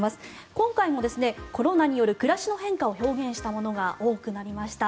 今回もコロナによる暮らしの変化を表現したものが多くなりました。